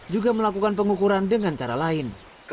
juga melakukan pengukuran dengan cara lain